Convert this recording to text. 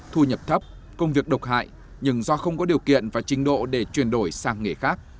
thu nhập thấp công việc độc hại nhưng do không có điều kiện và trình độ để chuyển đổi sang nghề khác